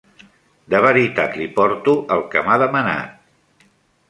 De veritat li porto el que m'ha demanat.